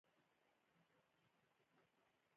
زما سبزي خوښیږي.